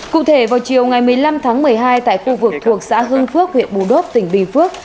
cụ thể vào chiều ngày một mươi năm tháng một mươi hai tại khu vực thuộc xã hưng phước huyện bù đốp tỉnh bình phước